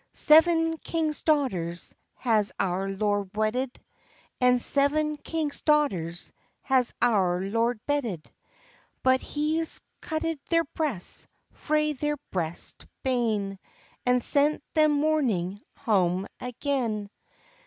"Seven king's daughters has our lord wedded, And seven king's daughters has our lord bedded; But he's cutted their breasts frae their breast bane, And sent them mourning hame again.